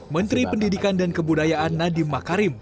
menteri pendidikan dan kebudayaan nadiem makarim